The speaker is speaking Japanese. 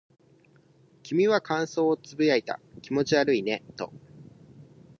君は感想を呟いた。気持ち悪いねと。